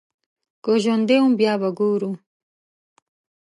که ژوندی وم بيا به ګورو.